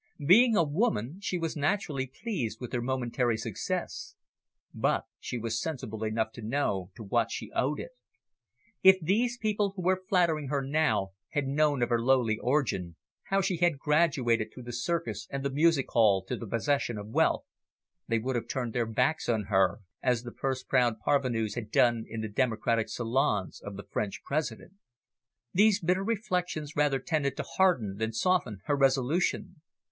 Being a woman, she was naturally pleased with her momentary success. But she was sensible enough to know to what she owed it. If these people who were flattering her now had known of her lowly origin, how she had graduated through the circus and the music hall to the possession of wealth, they would have turned their backs on her, as the purse proud parvenus had done in the democratic salons of the French President. These bitter reflections rather tended to harden than soften her resolution.